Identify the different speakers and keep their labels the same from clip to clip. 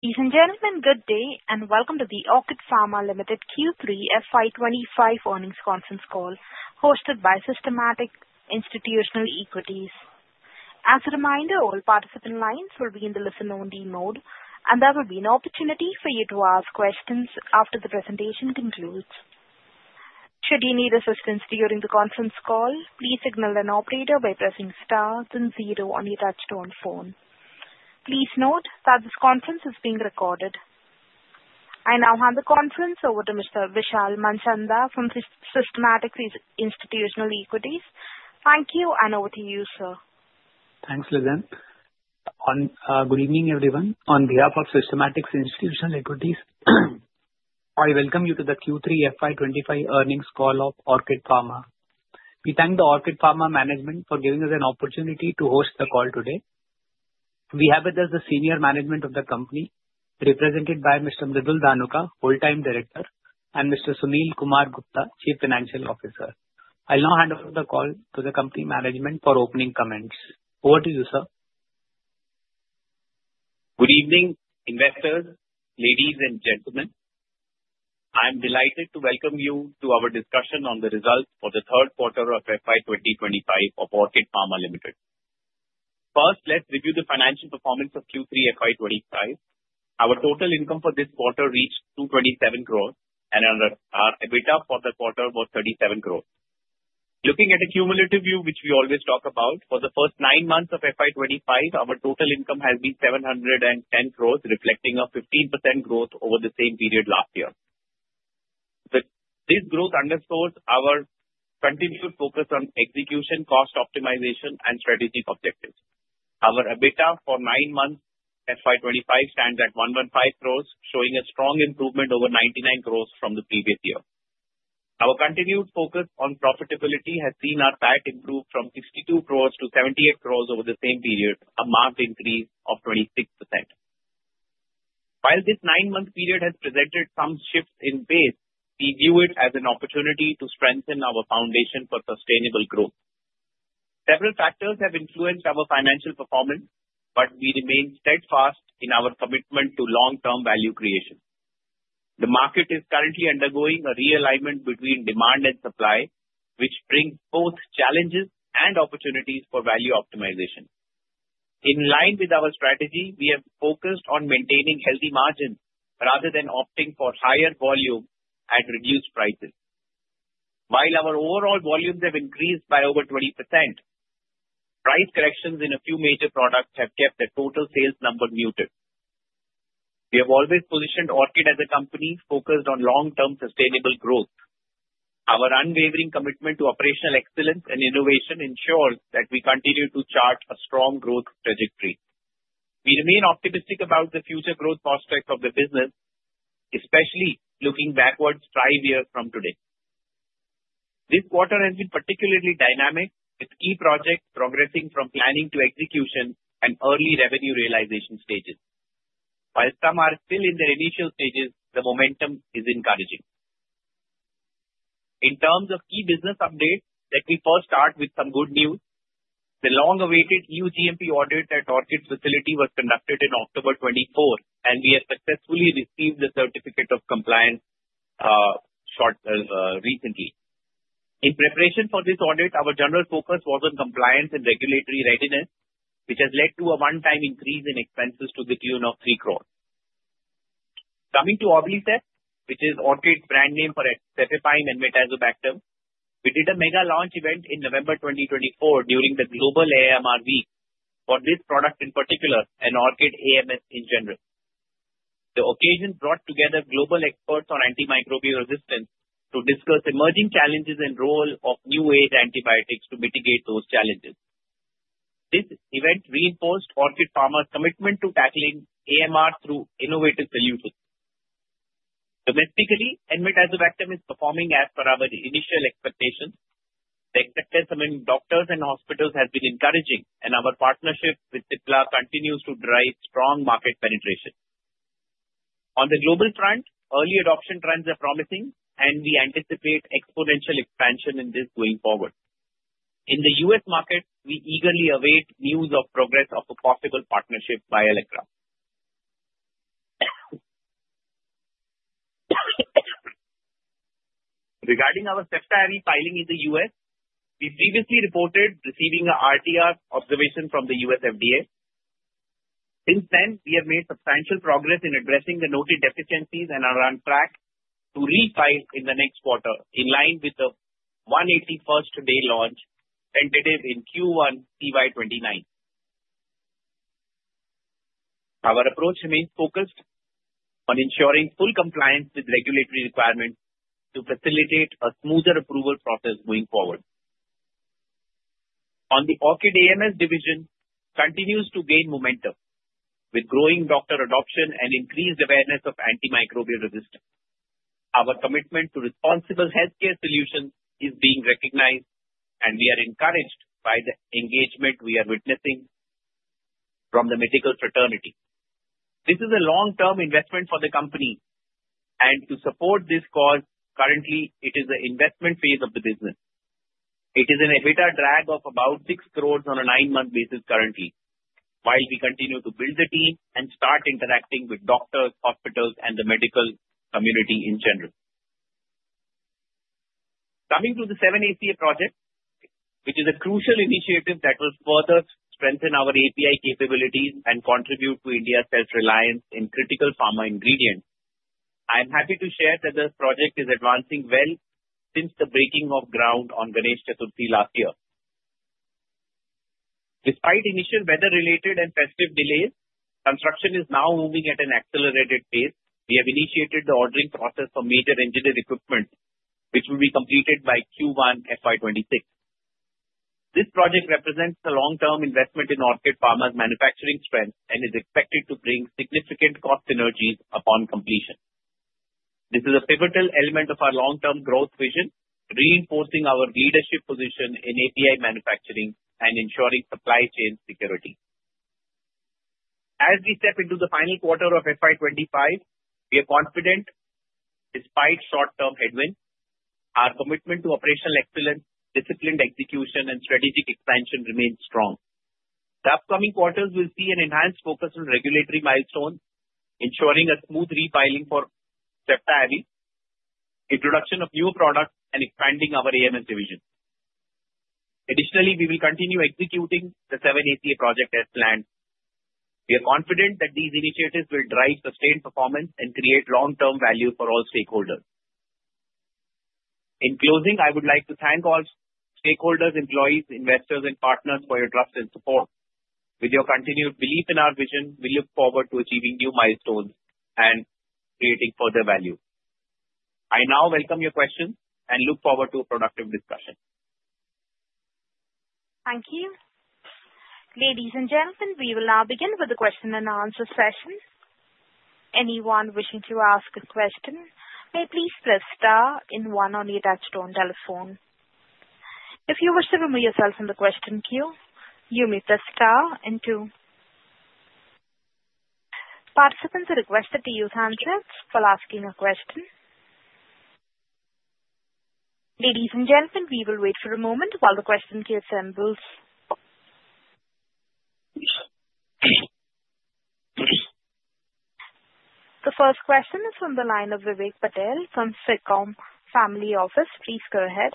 Speaker 1: Ladies and gentlemen, good day, and welcome to the Orchid Pharma Limited Q3 FY25 Earnings Conference Call hosted by Systematix Institutional Equities. As a reminder, all participant lines will be in the listen-only mode, and there will be an opportunity for you to ask questions after the presentation concludes. Should you need assistance during the conference call, please signal an operator by pressing stars and zero on your touch-tone phone. Please note that this conference is being recorded. I now hand the conference over to Mr. Vishal Manchanda from Systematix Institutional Equities. Thank you, and over to you, sir.
Speaker 2: Thanks, Lizan. Good evening, everyone. On behalf of Systematix Institutional Equities, I welcome you to the Q3 FY25 Earnings Call of Orchid Pharma. We thank the Orchid Pharma management for giving us an opportunity to host the call today. We have with us the senior management of the company, represented by Mr. Mridul Dhanuka, Whole-time Director, and Mr. Sunil Kumar Gupta, Chief Financial Officer. I'll now hand over the call to the company management for opening comments. Over to you, sir.
Speaker 3: Good evening, investors, ladies and gentlemen. I'm delighted to welcome you to our discussion on the results for the Q3 of FY25 of Orchid Pharma Limited. First, let's review the financial performance of Q3 FY25. Our total income for this quarter reached 227 crores, and our EBITDA for the quarter was 37 crores. Looking at a cumulative view, which we always talk about, for the first nine months of FY25, our total income has been 710 crores, reflecting a 15% growth over the same period last year. This growth underscores our continued focus on execution, cost optimization, and strategic objectives. Our EBITDA for nine months FY25 stands at 115 crores, showing a strong improvement over 99 crores from the previous year. Our continued focus on profitability has seen our PAT improve from 62 crores to 78 crores over the same period, a marked increase of 26%. While this nine-month period has presented some shifts in pace, we view it as an opportunity to strengthen our foundation for sustainable growth. Several factors have influenced our financial performance, but we remain steadfast in our commitment to long-term value creation. The market is currently undergoing a realignment between demand and supply, which brings both challenges and opportunities for value optimization. In line with our strategy, we have focused on maintaining healthy margins rather than opting for higher volume at reduced prices. While our overall volumes have increased by over 20%, price corrections in a few major products have kept the total sales number muted. We have always positioned Orchid as a company focused on long-term sustainable growth. Our unwavering commitment to operational excellence and innovation ensures that we continue to chart a strong growth trajectory. We remain optimistic about the future growth prospects of the business, especially looking backwards five years from today. This quarter has been particularly dynamic, with key projects progressing from planning to execution and early revenue realization stages. While some are still in their initial stages, the momentum is encouraging. In terms of key business updates, let me first start with some good news. The long-awaited new GMP audit at Orchid's facility was conducted on October 24, and we have successfully received the certificate of compliance recently. In preparation for this audit, our general focus was on compliance and regulatory readiness, which has led to a one-time increase in expenses to the tune of 3 crores. Coming to Orblicef, which is Orchid's brand name for cefepime and enmetazobactam, we did a mega launch event in November 2024 during the Global AMR Week for this product in particular and Orchid AMS in general. The occasion brought together global experts on antimicrobial resistance to discuss emerging challenges and the role of new-age antibiotics to mitigate those challenges. This event reinforced Orchid Pharma's commitment to tackling AMR through innovative solutions. Domestically, enmetazobactam is performing as per our initial expectations. The acceptance among doctors and hospitals has been encouraging, and our partnership with Cipla continues to drive strong market penetration. On the global front, early adoption trends are promising, and we anticipate exponential expansion in this going forward. In the U.S. market, we eagerly await news of progress of a possible partnership by Allecra. Regarding our subsidiary filing in the U.S., we previously reported receiving an RTR observation from the US FDA. Since then, we have made substantial progress in addressing the noted deficiencies and are on track to refile in the next quarter in line with the 181st day launch tentative in Q1 CY29. Our approach remains focused on ensuring full compliance with regulatory requirements to facilitate a smoother approval process going forward. On the Orchid AMS division continues to gain momentum with growing doctor adoption and increased awareness of antimicrobial resistance. Our commitment to responsible healthcare solutions is being recognized, and we are encouraged by the engagement we are witnessing from the medical fraternity. This is a long-term investment for the company, and to support this cause, currently, it is the investment phase of the business. It is an EBITDA drag of about 6 crore on a nine-month basis currently, while we continue to build the team and start interacting with doctors, hospitals, and the medical community in general. Coming to the 7-ACA project, which is a crucial initiative that will further strengthen our API capabilities and contribute to India's self-reliance in critical pharma ingredients, I am happy to share that the project is advancing well since the breaking of ground on Ganesh Chaturthi last year. Despite initial weather-related and festive delays, construction is now moving at an accelerated pace. We have initiated the ordering process for major engineered equipment, which will be completed by Q1 FY26. This project represents a long-term investment in Orchid Pharma's manufacturing strength and is expected to bring significant cost synergies upon completion. This is a pivotal element of our long-term growth vision, reinforcing our leadership position in API manufacturing and ensuring supply chain security. As we step into the final quarter of FY25, we are confident, despite short-term headwinds, our commitment to operational excellence, disciplined execution, and strategic expansion remains strong. The upcoming quarters will see an enhanced focus on regulatory milestones, ensuring a smooth refiling for subsidiaries, introduction of new products, and expanding our AMS division. Additionally, we will continue executing the 7-ACA project as planned. We are confident that these initiatives will drive sustained performance and create long-term value for all stakeholders. In closing, I would like to thank all stakeholders, employees, investors, and partners for your trust and support. With your continued belief in our vision, we look forward to achieving new milestones and creating further value. I now welcome your questions and look forward to a productive discussion.
Speaker 1: Thank you. Ladies and gentlemen, we will now begin with the Q&A session. Anyone wishing to ask a question may please press star then one on your touchtone telephone. If you wish to remove yourself from the question queue, you may press star and two. Participants are requested to use handsets while asking a question. Ladies and gentlemen, we will wait for a moment while the question queue assembles. The first question is from the line of Vivek Patel from Citco Family Office. Please go ahead.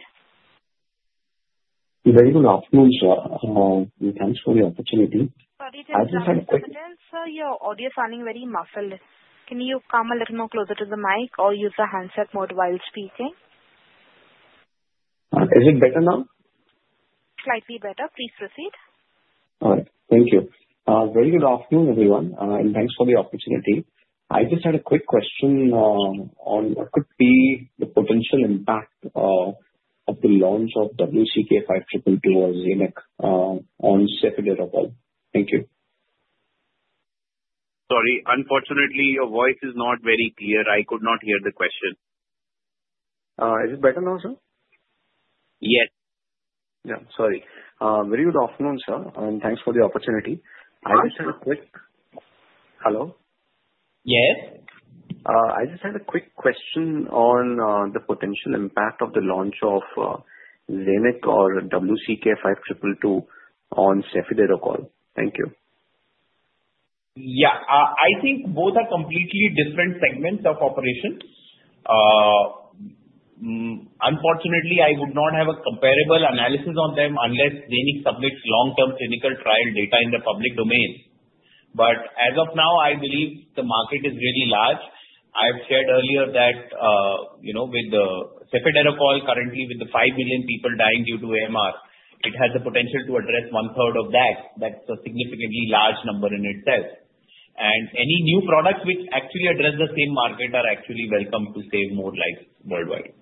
Speaker 4: Very good afternoon, sir. Thanks for the opportunity. Sorry, did you hear the question? I just had a quick.
Speaker 1: Yes, sir. Your audio is sounding very muffled. Can you come a little more closer to the mic or use the handset mode while speaking?
Speaker 4: Is it better now?
Speaker 1: Slightly better. Please proceed.
Speaker 4: All right. Thank you. Very good afternoon, everyone, and thanks for the opportunity. I just had a quick question on what could be the potential impact of the launch of WCK 5222 or Zavicefta on cefiderocol. Thank you.
Speaker 3: Sorry, unfortunately, your voice is not very clear. I could not hear the question.
Speaker 4: Is it better now, sir?
Speaker 3: Yes.
Speaker 4: Yeah. Sorry. Very good afternoon, sir, and thanks for the opportunity. I just had a quick. Hello?
Speaker 3: Yes.
Speaker 4: I just had a quick question on the potential impact of the launch of Zavicefta or WCK 5222 on cefiderocol. Thank you.
Speaker 3: Yeah. I think both are completely different segments of operation. Unfortunately, I would not have a comparable analysis on them unless Zenic submits long-term clinical trial data in the public domain. But as of now, I believe the market is really large. I've shared earlier that with the cefiderocol, currently with the five million people dying due to AMR, it has the potential to address one-third of that. That's a significantly large number in itself. And any new products which actually address the same market are actually welcome to save more lives worldwide.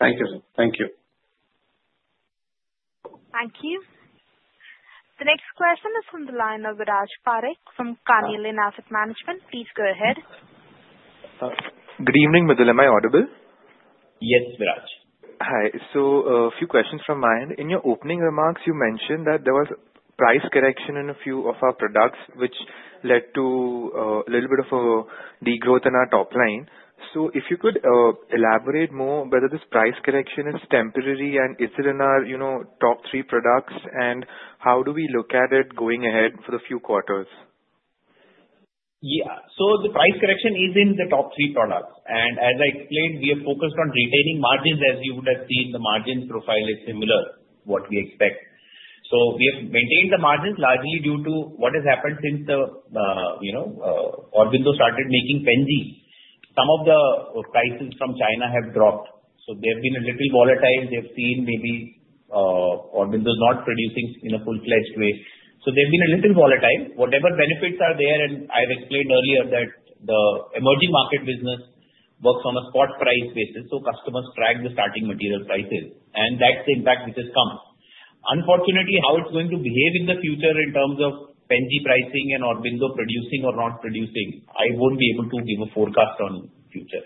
Speaker 4: Thank you, sir. Thank you.
Speaker 1: Thank you. The next question is from the line of Viraj Parekh from Carnelian Asset Management. Please go ahead.
Speaker 5: Good evening, Mridul. Am I audible?
Speaker 3: Yes, Viraj.
Speaker 5: Hi. So a few questions from my end. In your opening remarks, you mentioned that there was price correction in a few of our products, which led to a little bit of a degrowth in our top line. So if you could elaborate more whether this price correction is temporary and is it in our top three products, and how do we look at it going ahead for the few quarters?
Speaker 3: Yeah. So the price correction is in the top three products. And as I explained, we have focused on retaining margins as you would have seen the margin profile is similar, what we expect. So we have maintained the margins largely due to what has happened since Aurobindo started making Pen Gs. Some of the prices from China have dropped. So they have been a little volatile. They've seen maybe Aurobindo is not producing in a full-fledged way. So, they've been a little volatile, whatever benefits are there, and I've explained earlier that the emerging market business works on a spot price basis, so customers track the starting material prices. And that's the impact which has come. Unfortunately, how it's going to behave in the future in terms of penny pricing and Aurobindo producing or not producing, I won't be able to give a forecast on future.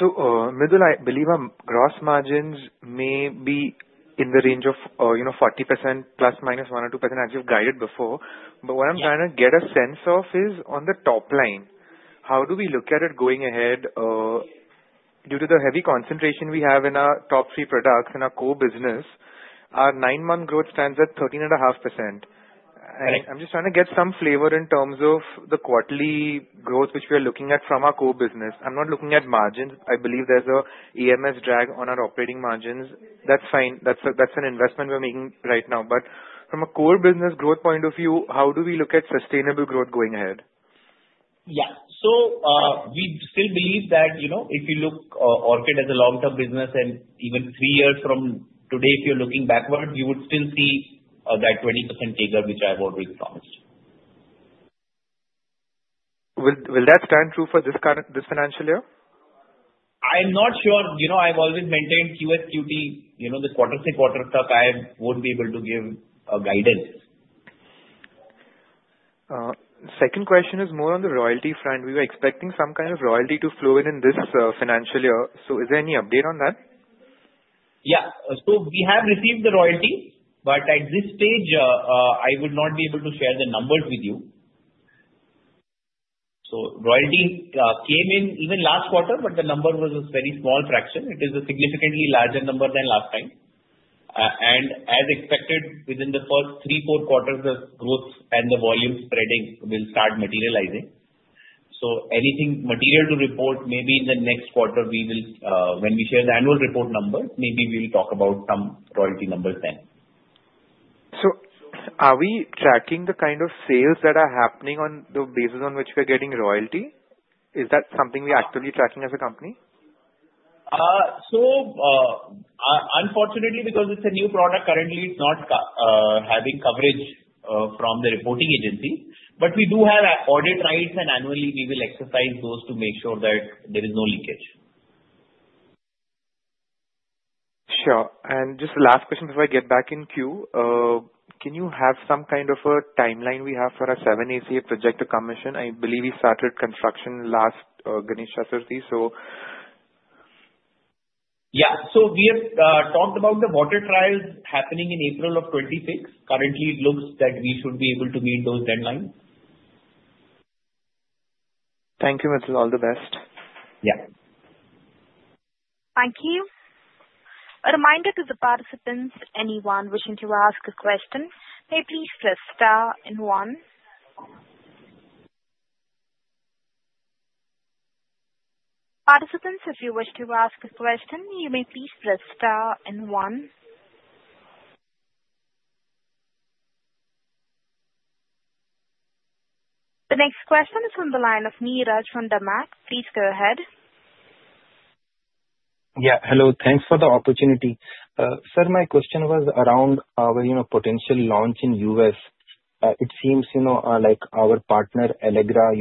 Speaker 5: So Mridul, I believe our gross margins may be in the range of 40% plus minus one or two percent as you've guided before. But what I'm trying to get a sense of is on the top line, how do we look at it going ahead? Due to the heavy concentration we have in our top three products in our core business, our nine-month growth stands at 13.5%. And I'm just trying to get some flavor in terms of the quarterly growth which we are looking at from our core business. I'm not looking at margins. I believe there's an AMS drag on our operating margins. That's fine. That's an investment we're making right now. But from a core business growth point of view, how do we look at sustainable growth going ahead?
Speaker 3: Yeah, so we still believe that if you look at Orchid as a long-term business and even three years from today, if you're looking backwards, you would still see that 20% figure which I have always promised.
Speaker 5: Will that stand true for this financial year?
Speaker 3: I'm not sure. I've always maintained QoQ, the quarter-to-quarter stock. I won't be able to give a guidance.
Speaker 5: Second question is more on the royalty front. We were expecting some kind of royalty to flow in in this financial year. So is there any update on that?
Speaker 3: Yeah. So we have received the royalty, but at this stage, I will not be able to share the numbers with you. So royalty came in even last quarter, but the number was a very small fraction. It is a significantly larger number than last time. And as expected, within the first three, four quarters, the growth and the volume spreading will start materializing. So anything material to report, maybe in the next quarter, when we share the annual report numbers, maybe we will talk about some royalty numbers then.
Speaker 5: So are we tracking the kind of sales that are happening on the basis on which we're getting royalty? Is that something we're actually tracking as a company?
Speaker 3: Unfortunately, because it's a new product, currently it's not having coverage from the reporting agency. But we do have audit rights, and annually, we will exercise those to make sure that there is no leakage.
Speaker 5: Sure. And just the last question before I get back in queue. Can you have some kind of a timeline we have for our 7-ACA project to come? I believe we started construction last Ganesh Chaturthi, so.
Speaker 3: Yeah. So we have talked about the water trials happening in April of 2026. Currently, it looks that we should be able to meet those deadlines.
Speaker 5: Thank you, Mridul. All the best.
Speaker 3: Yeah.
Speaker 1: Thank you. A reminder to the participants, anyone wishing to ask a question, may please press star and one. Participants, if you wish to ask a question, you may please press star and one. The next question is from the line of Niraj from DAM Capital. Please go ahead.
Speaker 6: Yeah. Hello. Thanks for the opportunity. Sir, my question was around our potential launch in US. It seems like our partner, Allecra,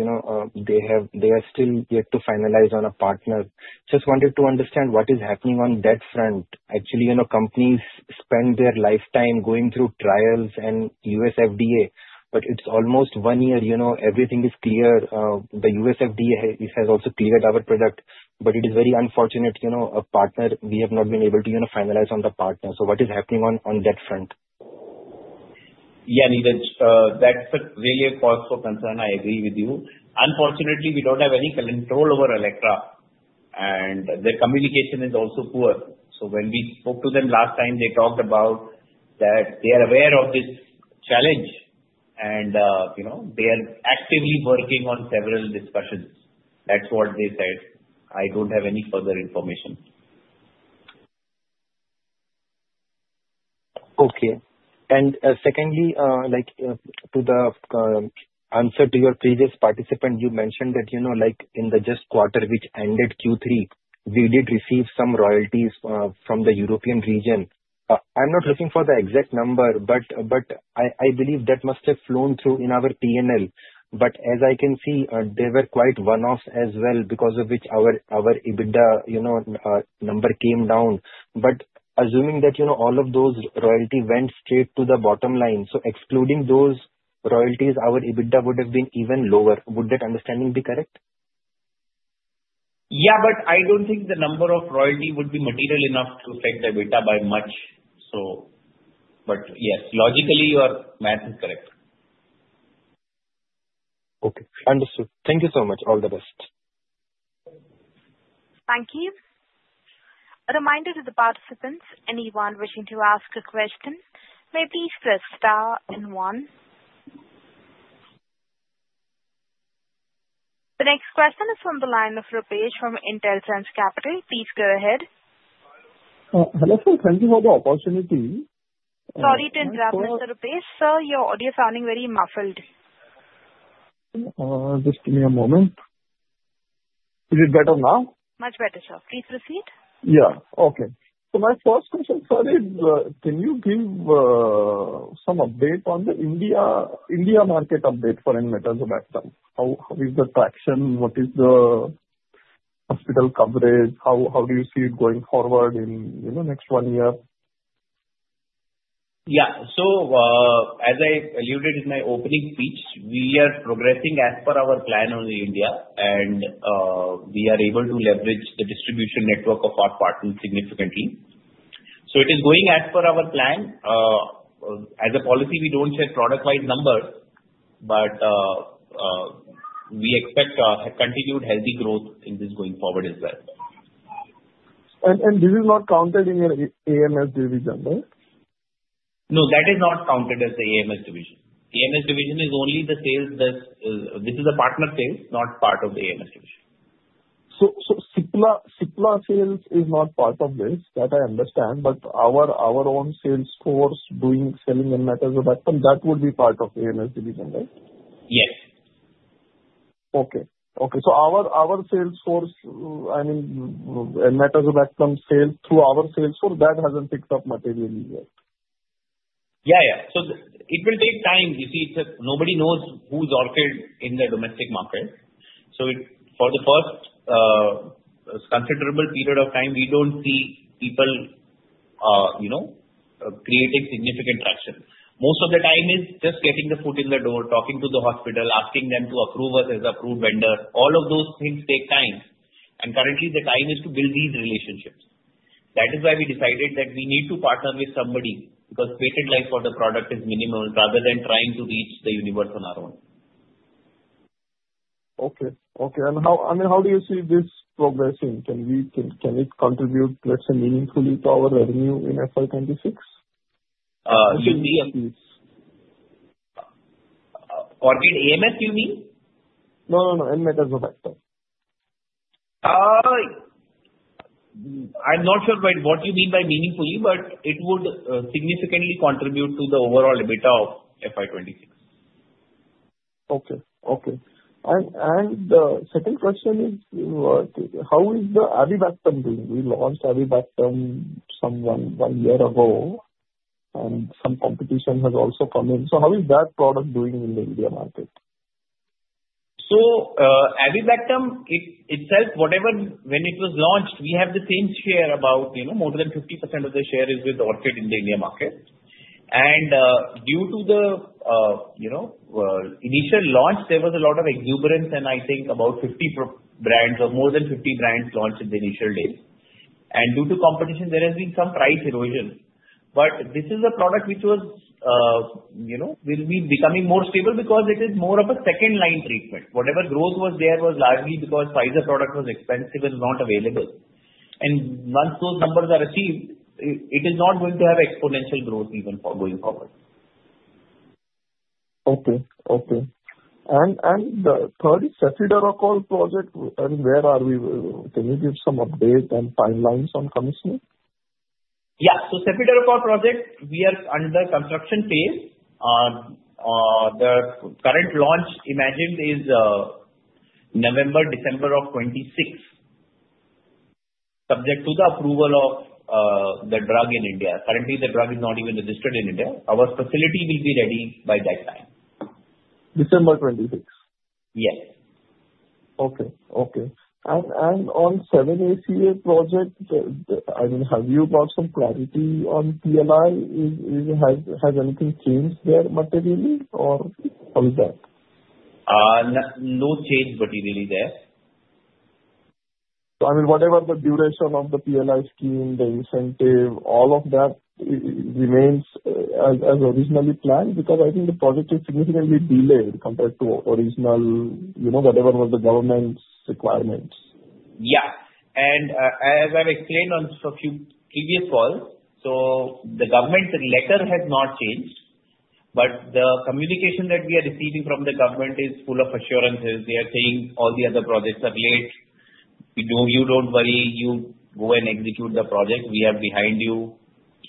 Speaker 6: they are still yet to finalize on a partner. Just wanted to understand what is happening on that front. Actually, companies spend their lifetime going through trials and US FDA, but it's almost one year. Everything is clear. The US FDA has also cleared our product, but it is very unfortunate. A partner, we have not been able to finalize on the partner. So what is happening on that front?
Speaker 3: Yeah, Niraj, that's really a cause for concern. I agree with you. Unfortunately, we don't have any control over Allecra, and their communication is also poor. So when we spoke to them last time, they talked about that they are aware of this challenge, and they are actively working on several discussions. That's what they said. I don't have any further information.
Speaker 6: Okay. And secondly, to answer to your previous participant, you mentioned that in the just quarter which ended Q3, we did receive some royalties from the European region. I'm not looking for the exact number, but I believe that must have flown through in our P&L. But as I can see, they were quite one-offs as well, because of which our EBITDA number came down. But assuming that all of those royalties went straight to the bottom line, so excluding those royalties, our EBITDA would have been even lower. Would that understanding be correct?
Speaker 3: Yeah, but I don't think the number of royalty would be material enough to affect the EBITDA by much. But yes, logically, your math is correct.
Speaker 4: Okay. Understood. Thank you so much. All the best.
Speaker 1: Thank you. A reminder to the participants, anyone wishing to ask a question, may please press star and one. The next question is from the line of Rupesh from Intelsense Capital. Please go ahead.
Speaker 7: Hello. Thank you for the opportunity.
Speaker 1: Sorry to interrupt, Mr. Rupesh. Sir, your audio is sounding very muffled.
Speaker 7: Just give me a moment. Is it better now?
Speaker 1: Much better, sir. Please proceed.
Speaker 7: Yeah. Okay. So my first question, sir, is can you give some update on the India market update for enmetazobactam? How is the traction? What is the hospital coverage? How do you see it going forward in the next one year?
Speaker 3: Yeah. So as I alluded in my opening speech, we are progressing as per our plan on India, and we are able to leverage the distribution network of our partners significantly. So it is going as per our plan. As a policy, we don't share product-wide numbers, but we expect continued healthy growth in this going forward as well.
Speaker 7: This is not counted in your AMS division, right?
Speaker 3: No, that is not counted as the AMS division. AMS division is only the sales that this is a partner sales, not part of the AMS division.
Speaker 7: So Cipla sales is not part of this, that I understand, but our own sales force doing selling in enmetazobactam, that would be part of AMS division, right?
Speaker 3: Yes.
Speaker 7: Our sales force, I mean, enmetazobactam sales through our sales force, that hasn't picked up materially yet.
Speaker 3: Yeah, yeah, so it will take time. You see, nobody knows who Orchid is in the domestic market, so for the first considerable period of time, we don't see people creating significant traction. Most of the time is just getting the foot in the door, talking to the hospital, asking them to approve us as approved vendor. All of those things take time, and currently, the time is to build these relationships. That is why we decided that we need to partner with somebody because patent life for the product is minimal rather than trying to reach the universe on our own.
Speaker 7: Okay, and I mean, how do you see this progressing? Can it contribute, let's say, meaningfully to our revenue in FY26?
Speaker 3: You see, Orchid AMS, you mean?
Speaker 7: No, no, no, in enmetazobactam.
Speaker 3: I'm not sure what you mean by meaningfully, but it would significantly contribute to the overall EBITDA of FY26.
Speaker 7: Okay. Okay. And the second question is, how is the avibactam doing? We launched avibactam about one year ago, and some competition has also come in. So how is that product doing in the India market?
Speaker 3: Avibactam itself, when it was launched, we have the same share about more than 50% of the share is with Orchid in the India market. Due to the initial launch, there was a lot of exuberance, and I think about 50 brands or more than 50 brands launched in the initial days. Due to competition, there has been some price erosion. This is a product which will be becoming more stable because it is more of a second-line treatment. Whatever growth was there was largely because Pfizer product was expensive and not available. Once those numbers are achieved, it is not going to have exponential growth even for going forward.
Speaker 7: Okay. Okay. And the third is cefiderocol project. I mean, where are we? Can you give some update and timelines on commissioning?
Speaker 3: Yeah. So, cefiderocol project, we are under construction phase. The current launch in India is November, December of 2026, subject to the approval of the drug in India. Currently, the drug is not even registered in India. Our facility will be ready by that time.
Speaker 7: December 2026.
Speaker 3: Yes.
Speaker 7: Okay. Okay. And on 7-ACA project, I mean, have you got some clarity on PLI? Has anything changed there materially, or how is that?
Speaker 3: No material change there.
Speaker 7: So I mean, whatever the duration of the PLI scheme, the incentive, all of that remains as originally planned because I think the project is significantly delayed compared to original, whatever was the government's requirements.
Speaker 3: Yeah. And as I've explained on a few previous calls, the government letter has not changed, but the communication that we are receiving from the government is full of assurances. They are saying all the other projects are late. You don't worry. You go and execute the project. We are behind you.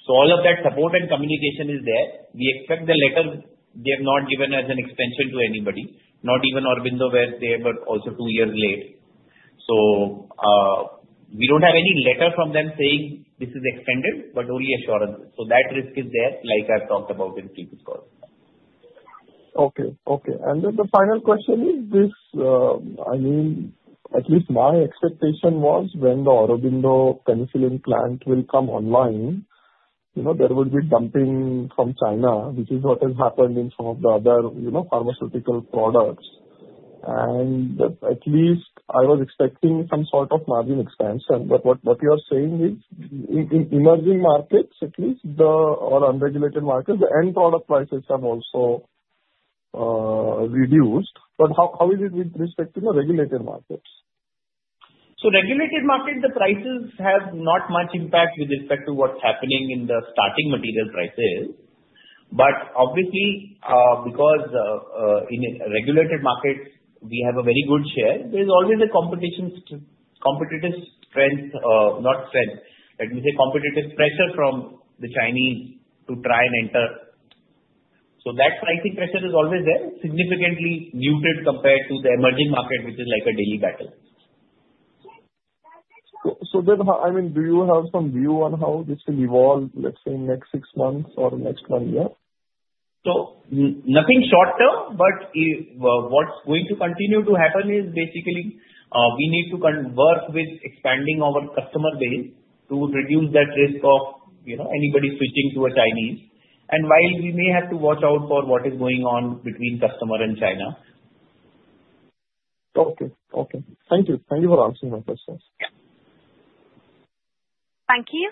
Speaker 3: So all of that support and communication is there. We expect the letter they have not given as an extension to anybody, not even Aurobindo, where they were also two years late. So we don't have any letter from them saying this is extended, but only assurances. So that risk is there, like I've talked about in previous calls.
Speaker 7: Okay. Okay. And then the final question is this. I mean, at least my expectation was when the Aurobindo Penicillin plant will come online, there would be dumping from China, which is what has happened in some of the other pharmaceutical products. And at least I was expecting some sort of margin expansion. But what you are saying is, in emerging markets, at least, or unregulated markets, the end product prices have also reduced. But how is it with respect to the regulated markets?
Speaker 3: So regulated market, the prices have not much impact with respect to what's happening in the starting material prices. But obviously, because in regulated markets, we have a very good share, there is always a competitive strength, not strength. Let me say competitive pressure from the Chinese to try and enter. So that pricing pressure is always there, significantly muted compared to the emerging market, which is like a daily battle.
Speaker 7: So then, I mean, do you have some view on how this can evolve, let's say, in the next six months or next one year?
Speaker 3: So nothing short term, but what's going to continue to happen is basically we need to work with expanding our customer base to reduce that risk of anybody switching to a Chinese. And while we may have to watch out for what is going on between customer and China.
Speaker 7: Okay. Okay. Thank you. Thank you for answering my questions.
Speaker 1: Thank you.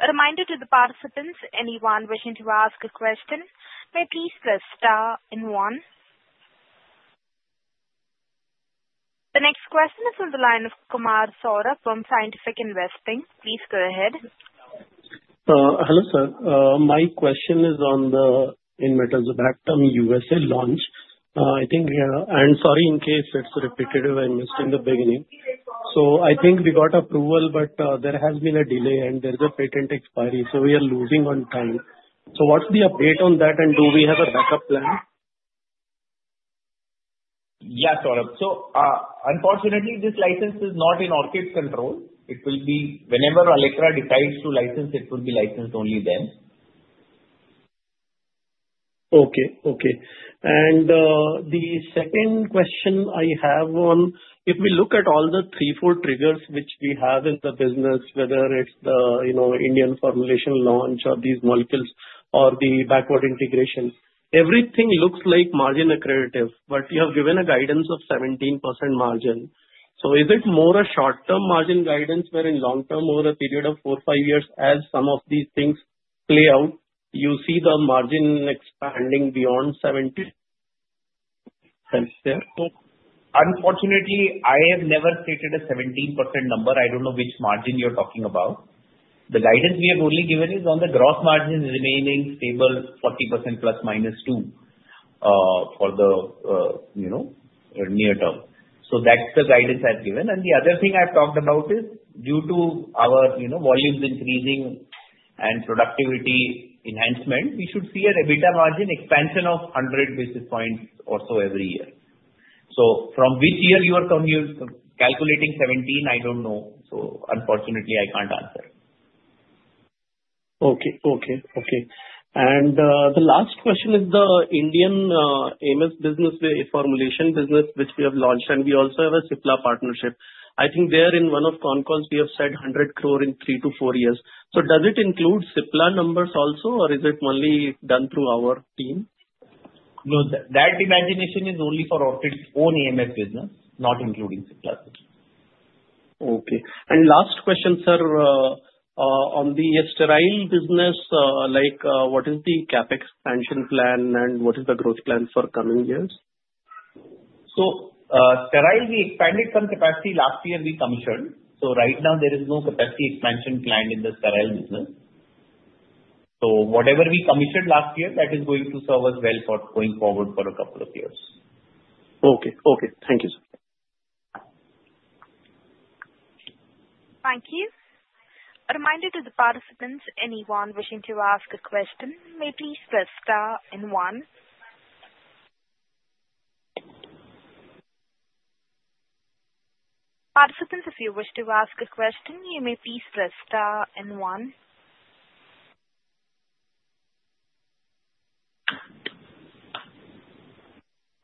Speaker 1: A reminder to the participants, anyone wishing to ask a question, may please press star and one. The next question is from the line of Kumar Saurabh from Scientific Investing. Please go ahead.
Speaker 8: Hello, sir. My question is on the enmetazobactam USA launch. I think we are, and sorry in case it's repetitive, I missed in the beginning. So I think we got approval, but there has been a delay, and there's a patent expiry, so we are losing on time. So what's the update on that, and do we have a backup plan?
Speaker 3: Yes, Saurabh. So unfortunately, this license is not in Orchid's control. It will be whenever Allecra decides to license, it will be licensed only then.
Speaker 8: Okay. Okay. And the second question I have on, if we look at all the three, four triggers which we have in the business, whether it's the Indian formulation launch of these molecules or the backward integration, everything looks like margin accretive, but you have given a guidance of 17% margin. So is it more a short-term margin guidance wherein long term over a period of four, five years, as some of these things play out, you see the margin expanding beyond 17% there?
Speaker 3: Unfortunately, I have never stated a 17% number. I don't know which margin you're talking about. The guidance we have only given is on the gross margin remaining stable, 40% plus minus 2 for the near term. So that's the guidance I've given. And the other thing I've talked about is due to our volumes increasing and productivity enhancement, we should see an EBITDA margin expansion of 100 basis points or so every year. So from which year you are calculating 17, I don't know. So unfortunately, I can't answer.
Speaker 8: Okay. And the last question is the Indian AMS business, the formulation business, which we have launched, and we also have a Cipla partnership. I think there in one of con calls, we have said 100 crore in three-to-four years. So does it include Cipla numbers also, or is it only done through our team?
Speaker 3: No, that imagination is only for Orchid's own AMS business, not including Cipla's business.
Speaker 8: Okay. And last question, sir, on the sterile business, what is the CapEx expansion plan, and what is the growth plan for coming years?
Speaker 3: So, sterile, we expanded some capacity last year we commissioned. So, right now, there is no capacity expansion planned in the sterile business. So, whatever we commissioned last year, that is going to serve us well for going forward for a couple of years.
Speaker 8: Okay. Okay. Thank you, sir.
Speaker 1: Thank you. A reminder to the participants, anyone wishing to ask a question, may please press star and one. Participants, if you wish to ask a question, you may please press star and one.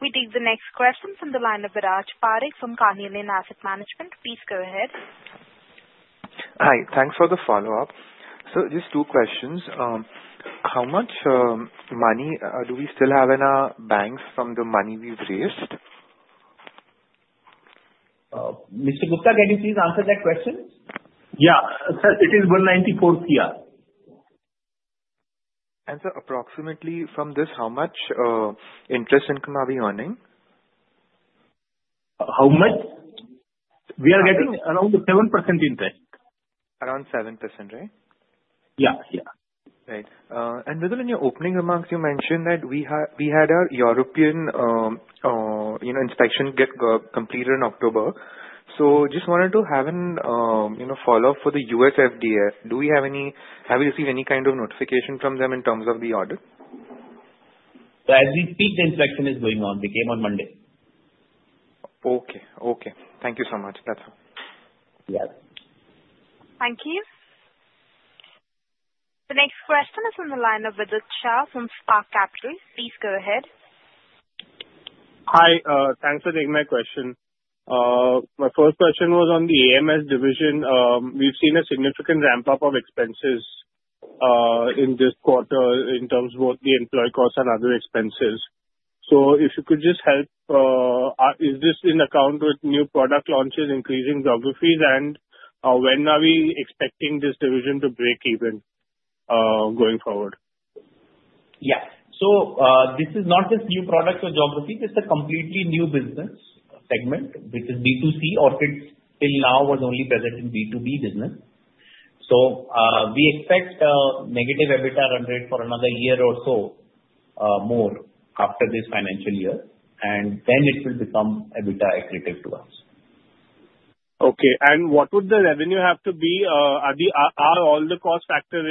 Speaker 1: We take the next question from the line of Viraj Parekh from Carnelian Asset Management. Please go ahead.
Speaker 5: Hi. Thanks for the follow-up. So just two questions. How much money do we still have in our banks from the money we've raised?
Speaker 3: Mr. Gupta, can you please answer that question?
Speaker 9: Yeah. Sir, it is 194 crore.
Speaker 5: Sir, approximately from this, how much interest income are we earning?
Speaker 9: How much? We are getting around 7% interest.
Speaker 5: Around 7%, right?
Speaker 9: Yeah. Yeah.
Speaker 5: Right. And within your opening remarks, you mentioned that we had our European inspection completed in October. So just wanted to have a follow-up for the US FDA. Have you received any kind of notification from them in terms of the audit?
Speaker 9: As we speak, the inspection is going on. We came on Monday.
Speaker 5: Okay. Okay. Thank you so much. That's all.
Speaker 3: Yes.
Speaker 1: Thank you. The next question is from the line of Vidit Shah from Spark Capital. Please go ahead.
Speaker 10: Hi. Thanks for taking my question. My first question was on the AMS division. We've seen a significant ramp-up of expenses in this quarter in terms of both the employee costs and other expenses. So if you could just help, is this in accordance with new product launches, increasing geographies, and when are we expecting this division to break even going forward?
Speaker 3: Yeah. So this is not just new product or geography. This is a completely new business segment, which is B2C. Orchid till now was only present in B2B business. So we expect negative EBITDA run rate for another year or so more after this financial year, and then it will become EBITDA accretive to us.
Speaker 10: Okay. And what would the revenue have to be? Are all the costs factored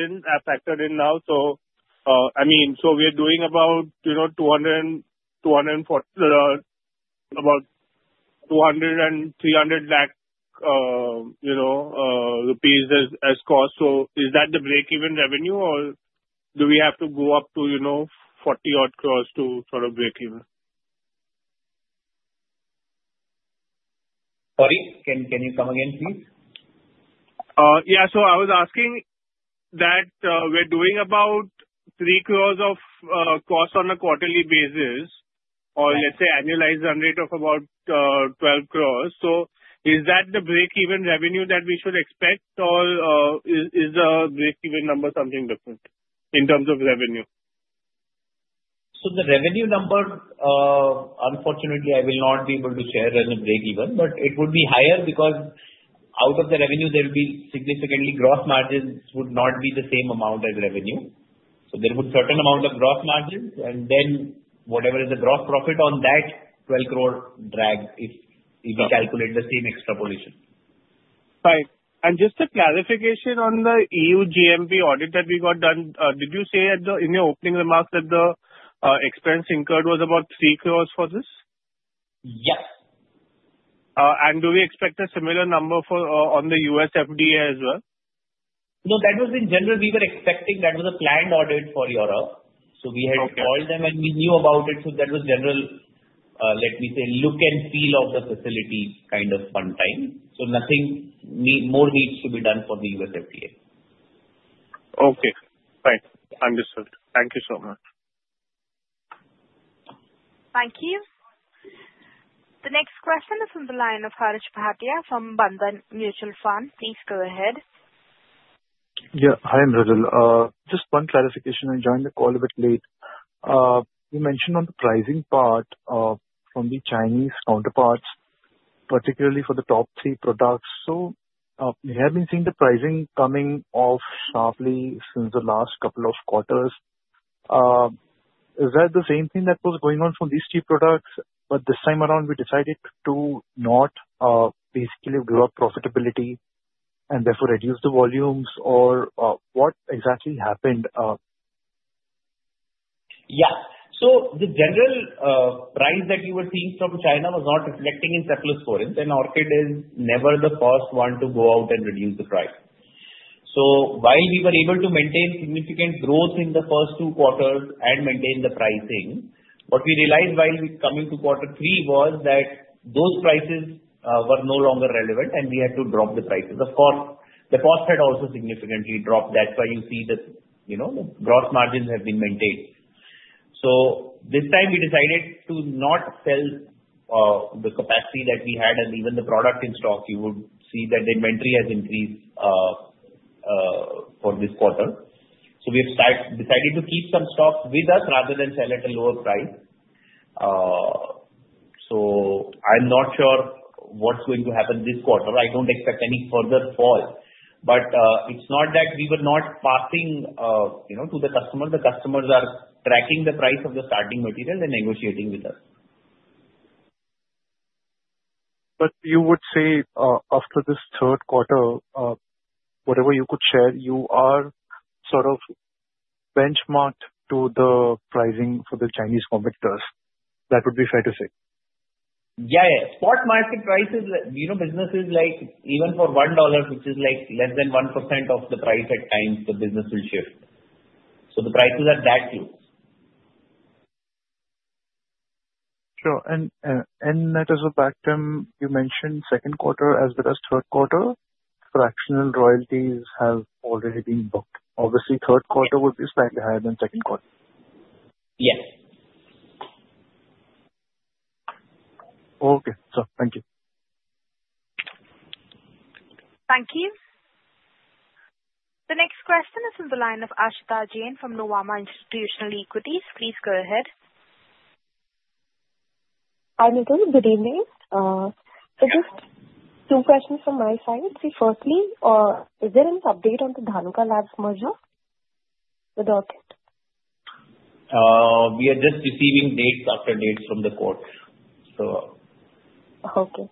Speaker 10: in now? So I mean, so we're doing about 200-300 lakh rupees as cost. So is that the break-even revenue, or do we have to go up to 40-odd crores to sort of break even?
Speaker 3: Sorry? Can you come again, please?
Speaker 10: Yeah. So I was asking that we're doing about 3 crores of cost on a quarterly basis or, let's say, annualized run rate of about 12 crores. So is that the break-even revenue that we should expect, or is the break-even number something different in terms of revenue?
Speaker 3: So the revenue number, unfortunately, I will not be able to share as a break-even, but it would be higher because out of the revenue, there will be significantly gross margins would not be the same amount as revenue. So there would be a certain amount of gross margins, and then whatever is the gross profit on that 12 crore drug if you calculate the same extrapolation.
Speaker 10: Fine. And just a clarification on the EU GMP audit that we got done, did you say in your opening remarks that the expense incurred was about 3 crores for this?
Speaker 3: Yes.
Speaker 10: Do we expect a similar number on the US FDA as well?
Speaker 3: No, that was in general. We were expecting that was a planned audit for Europe. So we had called them, and we knew about it. So that was general, let me say, look and feel of the facility kind of one time. So nothing more needs to be done for the US FDA.
Speaker 10: Okay. Thanks. Understood. Thank you so much.
Speaker 1: Thank you. The next question is from the line of Harsh Bhatia from Bandhan Mutual Fund. Please go ahead.
Speaker 11: Yeah. Hi, Mridul. Just one clarification. I joined the call a bit late. You mentioned on the pricing part from the Chinese counterparts, particularly for the top three products. So we have been seeing the pricing coming off sharply since the last couple of quarters. Is that the same thing that was going on for these three products, but this time around we decided to not basically give up profitability and therefore reduce the volumes? Or what exactly happened?
Speaker 3: Yeah. So the general price that you were seeing from China was not reflecting in surplus for it. And Orchid is never the first one to go out and reduce the price. So while we were able to maintain significant growth in the first two quarters and maintain the pricing, what we realized while coming to quarter three was that those prices were no longer relevant, and we had to drop the prices. Of course, the cost had also significantly dropped. That's why you see that the gross margins have been maintained. So this time, we decided to not sell the capacity that we had, and even the product in stock, you would see that the inventory has increased for this quarter. So we have decided to keep some stock with us rather than sell at a lower price. So I'm not sure what's going to happen this quarter. I don't expect any further fall. But it's not that we were not passing to the customer. The customers are tracking the price of the starting material and negotiating with us.
Speaker 11: But you would say, after this Q3, whatever you could share, you are sort of benchmarked to the pricing for the Chinese competitors. That would be fair to say.
Speaker 3: Yeah. Yeah. Spot market prices business is like even for $1, which is like less than 1% of the price at times, the business will shift. So the prices are that low.
Speaker 11: Sure. And in that as a backdrop, you mentioned Q2 as well as Q3. Fractional royalties have already been booked. Obviously, Q3 would be slightly higher than Q2.
Speaker 3: Yes.
Speaker 11: Okay. Sir, thank you.
Speaker 1: Thank you. The next question is from the line of Aashita Jain from Nuvama Institutional Equities. Please go ahead.
Speaker 12: Hi, good evening. So just two questions from my side. Firstly, is there any update on the Dhanuka Labs merger with Orchid?
Speaker 3: We are just receiving dates after dates from the court, so.
Speaker 12: Okay.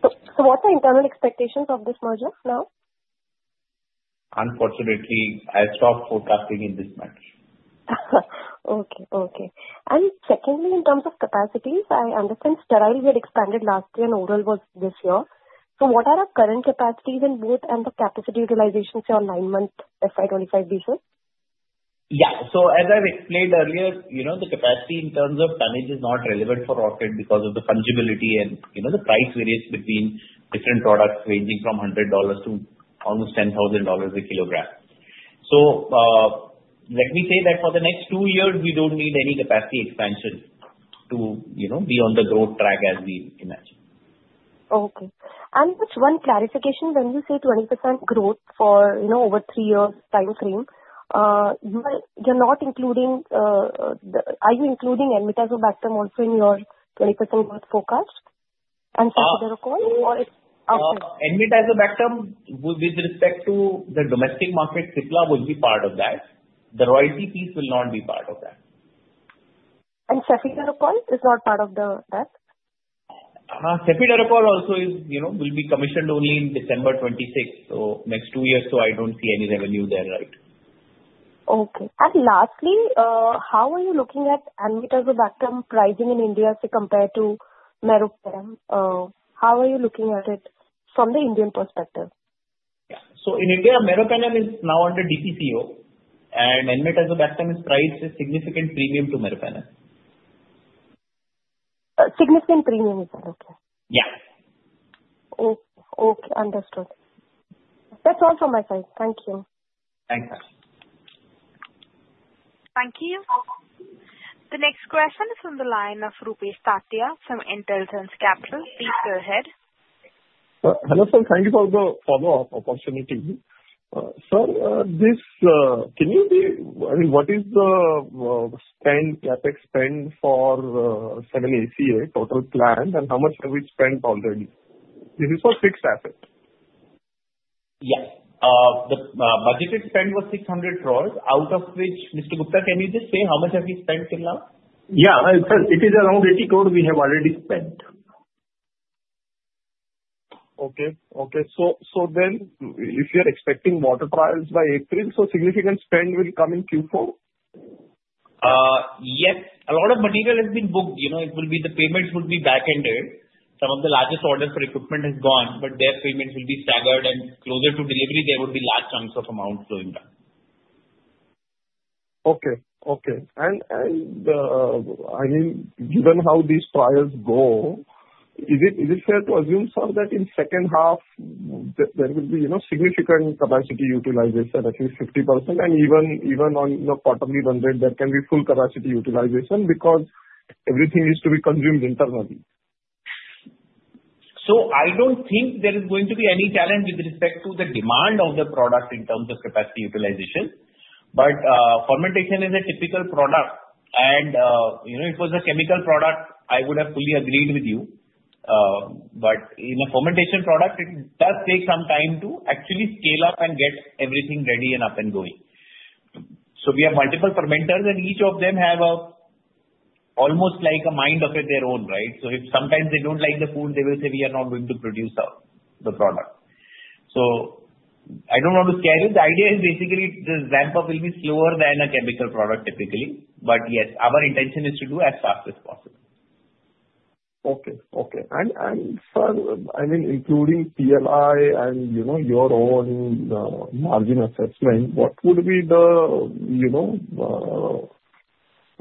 Speaker 12: So what are the internal expectations of this merger now?
Speaker 3: Unfortunately, I stopped forecasting in this March.
Speaker 12: Okay. Okay. And secondly, in terms of capacities, I understand sterile had expanded last year and overall was this year. So what are our current capacities and the capacity utilization for nine-month FY25 vision?
Speaker 3: Yeah. So as I've explained earlier, the capacity in terms of tonnage is not relevant for Orchid because of the fungibility and the price varies between different products ranging from $100 to almost $10,000 a kilogram. So let me say that for the next two years, we don't need any capacity expansion to be on the growth track as we imagine.
Speaker 12: Okay. And just one clarification. When you say 20% growth for over three years' time frame, are you including enmetazobactam also in your 20% growth forecast? And cefiderocol, or is it?
Speaker 3: No, enmetazobactam with respect to the domestic market, Cipla would be part of that. The royalty piece will not be part of that.
Speaker 12: Cefiderocol is not part of that?
Speaker 3: Cefiderocol also will be commissioned only in December 26th. So next two years, so I don't see any revenue there, right?
Speaker 12: Okay. And lastly, how are you looking at enmetazobactam pricing in India as it compares to meropenem? How are you looking at it from the Indian perspective?
Speaker 3: Yeah, so in India, meropenem is now under DPCO, and enmetazobactam is priced at a significant premium to meropenem.
Speaker 12: Significant premium is there. Okay.
Speaker 3: Yeah.
Speaker 12: Okay. Understood. That's all from my side. Thank you.
Speaker 3: Thanks, sir.
Speaker 1: Thank you. The next question is from the line of Rupesh Tatiya from Intelsense Capital. Please go ahead.
Speaker 7: Hello, sir. Thank you for the follow-up opportunity. Sir, can you, I mean, what is the CapEx spend for 7-ACA total planned, and how much have we spent already? This is for fixed assets.
Speaker 3: Yes. The budgeted spend was 600 crores, out of which, Mr. Gupta, can you just say how much have we spent till now?
Speaker 9: Yeah. It is around 80 crores we have already spent.
Speaker 7: Okay. Okay. So then, if you're expecting water trials by April, so significant spend will come in Q4?
Speaker 3: Yes. A lot of material has been booked. It will be, the payments would be back-ended. Some of the largest orders for equipment have gone, but their payments will be staggered, and closer to delivery, there would be large chunks of amount going down.
Speaker 7: And I mean, given how these trials go, is it fair to assume, sir, that in second half, there will be significant capacity utilization, at least 50%, and even on the quarterly run rate, there can be full capacity utilization because everything needs to be consumed internally?
Speaker 3: So I don't think there is going to be any challenge with respect to the demand of the product in terms of capacity utilization. But fermentation is a typical product, and if it was a chemical product, I would have fully agreed with you. But in a fermentation product, it does take some time to actually scale up and get everything ready and up and going. So we have multiple fermenters, and each of them have almost like a mind of their own, right? So if sometimes they don't like the food, they will say, "We are not going to produce the product." So I don't want to scare you. The idea is basically the ramp-up will be slower than a chemical product typically. But yes, our intention is to do as fast as possible.
Speaker 7: Okay. Okay. And sir, I mean, including PLI and your own margin assessment, what would be the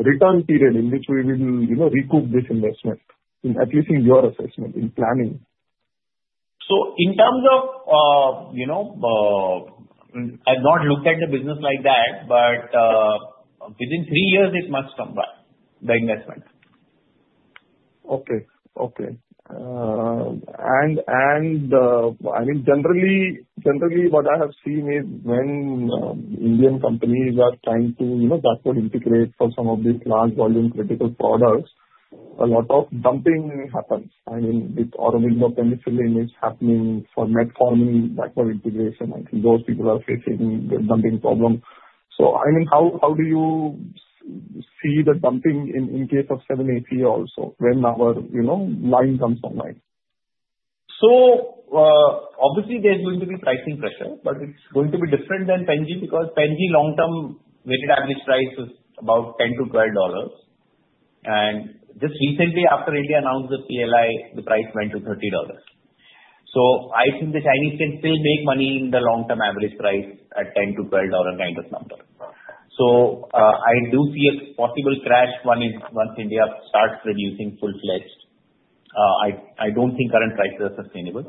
Speaker 7: return period in which we will recoup this investment, at least in your assessment, in planning?
Speaker 3: So, in terms of, I've not looked at the business like that, but within three years, it must come back, the investment.
Speaker 7: Okay. Okay. And I mean, generally, what I have seen is when Indian companies are trying to backward integrate for some of these large volume critical products, a lot of dumping happens. I mean, with Aurobindo Penicillin is happening for metformin backward integration. I think those people are facing the dumping problem. So I mean, how do you see the dumping in case of 7-ACA also when our line comes online?
Speaker 3: So obviously, there's going to be pricing pressure, but it's going to be different than Pen-G because Pen-G long-term weighted average price is about $10-$12. And just recently, after India announced the PLI, the price went to $30. So I think the Chinese can still make money in the long-term average price at $10-$12 kind of number. So I do see a possible crash once India starts producing full-fledged. I don't think current prices are sustainable.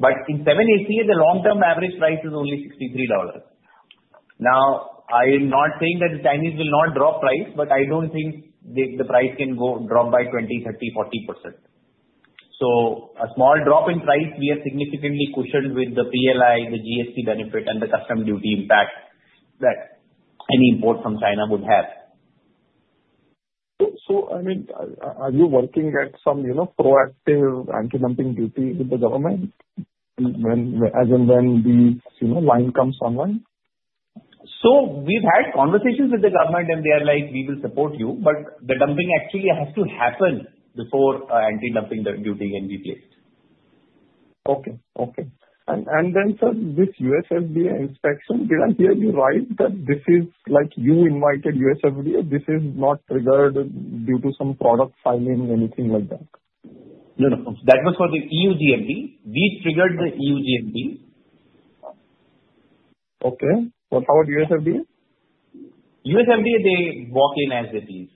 Speaker 3: But in 7-ACA, the long-term average price is only $63. Now, I am not saying that the Chinese will not drop price, but I don't think the price can drop by 20%, 30%, 40%. So a small drop in price, we are significantly cushioned with the PLI, the GST benefit, and the customs duty impact that any import from China would have.
Speaker 7: So I mean, are you working at some proactive anti-dumping duty with the government as and when the line comes online?
Speaker 3: So we've had conversations with the government, and they are like, "We will support you," but the dumping actually has to happen before anti-dumping duty can be placed.
Speaker 7: Okay. Okay. And then, sir, with US FDA inspection, did I hear you right that this is like you invited US FDA? This is not triggered due to some product filing, anything like that?
Speaker 3: No, no. That was for the EU GMP. We triggered the EU GMP.
Speaker 7: Okay. But how about US FDA?
Speaker 3: US FDA, they walk in as it is.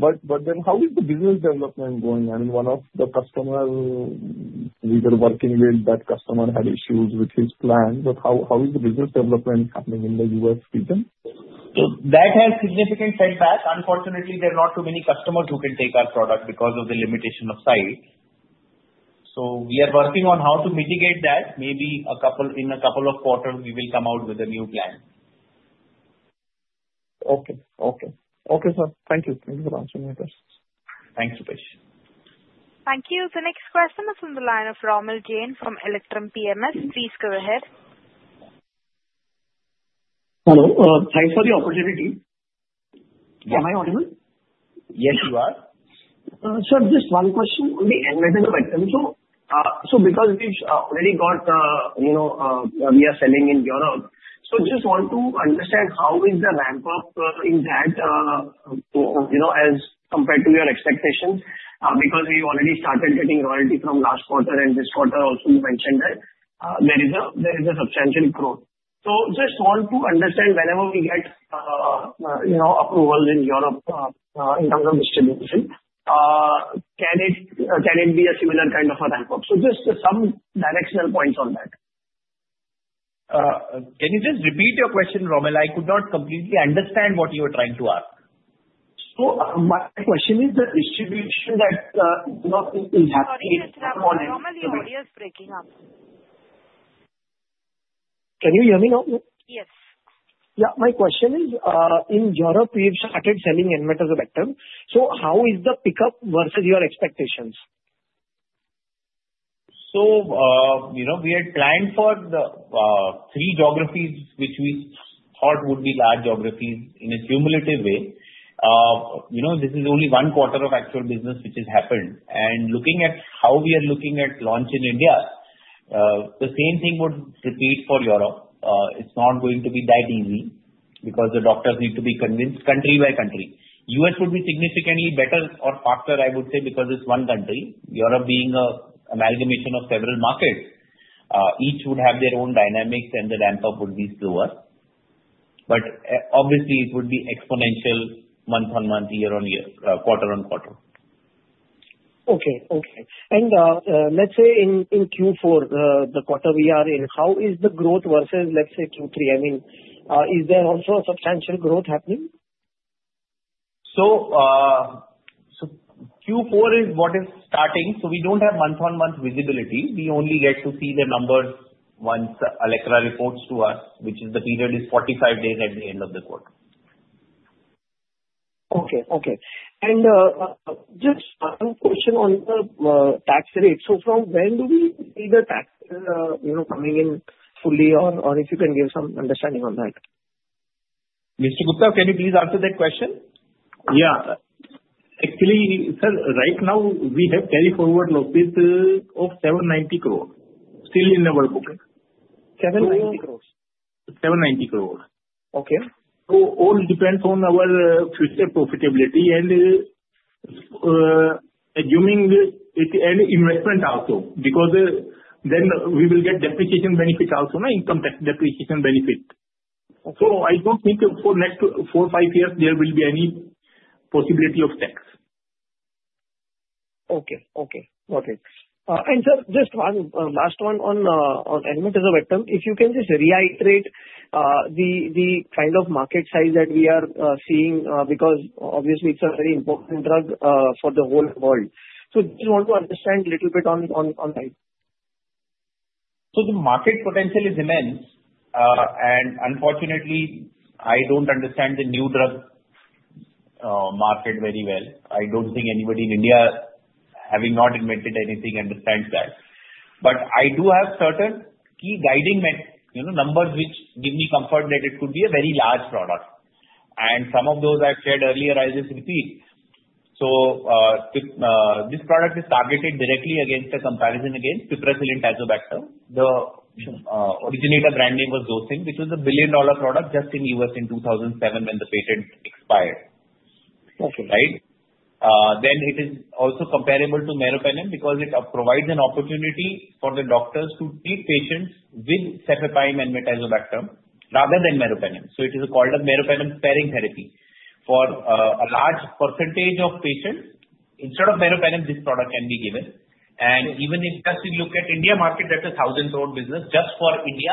Speaker 7: But then how is the business development going? I mean, one of the customers we were working with, that customer had issues with his plan. But how is the business development happening in the U.S. region?
Speaker 3: That has significant setback. Unfortunately, there are not too many customers who can take our product because of the limitation of size. So we are working on how to mitigate that. Maybe in a couple of quarters, we will come out with a new plan.
Speaker 7: Okay, sir. Thank you for answering my questions.
Speaker 3: Thanks, Rupesh.
Speaker 1: Thank you. The next question is from the line of Romil Jain from Electrum PMS. Please go ahead.
Speaker 13: Hello. Thanks for the opportunity.
Speaker 3: Yes.
Speaker 13: Am I audible?
Speaker 3: Yes, you are.
Speaker 13: Sir, just one question. On the enmetazobactam, so because we've already got we are selling in Europe, so just want to understand how is the ramp-up in that as compared to your expectations because we already started getting royalty from last quarter, and this quarter also, you mentioned that there is a substantial growth. So just want to understand whenever we get approvals in Europe in terms of distribution, can it be a similar kind of a ramp-up? So just some directional points on that.
Speaker 3: Can you just repeat your question, Romil? I could not completely understand what you were trying to ask.
Speaker 13: My question is the distribution that is happening in the world.
Speaker 1: Romil, your audio is breaking up.
Speaker 13: Can you hear me now?
Speaker 1: Yes.
Speaker 13: Yeah. My question is, in Europe, we've started selling enmetazobactam. So how is the pickup versus your expectations?
Speaker 3: So we had planned for the three geographies which we thought would be large geographies in a cumulative way. This is only one quarter of actual business which has happened. And looking at how we are looking at launch in India, the same thing would repeat for Europe. It's not going to be that easy because the doctors need to be convinced country by country. US would be significantly better or faster, I would say, because it's one country. Europe being an amalgamation of several markets, each would have their own dynamics, and the ramp-up would be slower. But obviously, it would be exponential month on month, year-on-year, quarter-on-quarter.
Speaker 13: Okay. And let's say in Q4, the quarter we are in, how is the growth versus, let's say, Q3? I mean, is there also a substantial growth happening?
Speaker 3: Q4 is what is starting. We don't have month-on-month visibility. We only get to see the numbers once Allecra reports to us, which is the period is 45 days at the end of the quarter.
Speaker 13: Okay. Okay. And just one question on the tax rate. So from when do we see the tax coming in fully, or if you can give some understanding on that?
Speaker 3: Mr. Gupta, can you please answer that question?
Speaker 13: Yeah. Actually, sir, right now, we have carry-forward losses of 790 crores, still in our booking.
Speaker 3: 790 crores?
Speaker 7: 790 crores.
Speaker 13: Okay.
Speaker 3: So all depends on our future profitability and assuming and investment also because then we will get depreciation benefit also, income tax depreciation benefit. So I don't think for next four, five years, there will be any possibility of tax.
Speaker 13: Okay. And sir, just one last one on enmetazobactam. If you can just reiterate the kind of market size that we are seeing because obviously, it's a very important drug for the whole world. So just want to understand a little bit on that.
Speaker 3: The market potential is immense. Unfortunately, I don't understand the new drug market very well. I don't think anybody in India, having not invented anything, understands that. I do have certain key guiding numbers which give me comfort that it could be a very large product. Some of those I've shared earlier, I'll just repeat. This product is targeted directly against the comparison against piperacillin and tazobactam. The originator brand name was Zosyn, which was a $1 billion product just in the US in 2007 when the patent expired, right? It is also comparable to meropenem because it provides an opportunity for the doctors to treat patients with cefepime and enmetazobactam rather than meropenem. It is called a meropenem sparing therapy for a large percentage of patients. Instead of meropenem, this product can be given. And even if we just look at the Indian market, that's a thousand crore business just for India